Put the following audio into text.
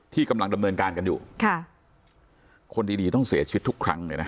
กำลังดำเนินการกันอยู่ค่ะคนดีดีต้องเสียชีวิตทุกครั้งเลยนะ